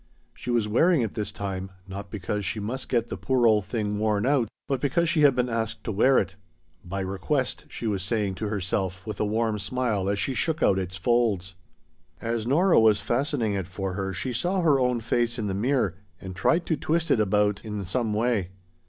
She was wearing it this time, not because she must get the poor old thing worn out, but because she had been asked to wear it. "By Request" she was saying to herself, with a warm smile, as she shook out its folds. As Nora was fastening it for her she saw her own face in the mirror and tried to twist it about in some way.